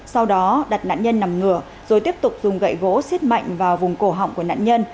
sau đó đặt nạn nhân nằm ngửa rồi tiếp tục dùng gậy gỗ xiết mạnh vào vùng cổ họng của nạn nhân